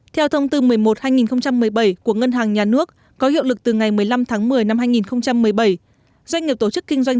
theo thông tư một mươi một hai nghìn một mươi bảy của ngân hàng nhà nước có hiệu lực từ ngày một mươi năm tháng một mươi năm hai nghìn một mươi bảy doanh nghiệp tổ chức kinh doanh